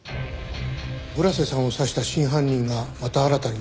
村瀬さんを刺した真犯人がまた新たに事件を起こした？